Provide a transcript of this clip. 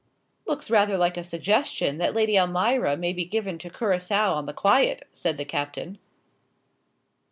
"Looks rather like a suggestion that Lady Almira may be given to curaçoa on the quiet," said the Captain.